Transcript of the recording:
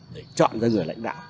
để chọn ra người lãnh đạo